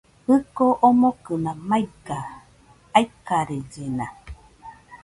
Jɨko omokɨna maiga, aikarellena